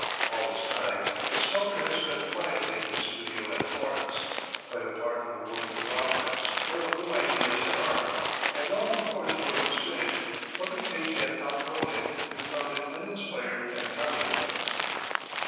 All this time, the sculptor had spent quietly in his studio at Florence, quite apart from the world of progress or of new ideas in art, and long before his work was finished, public taste had outgrown it and found it uninspired and commonplace.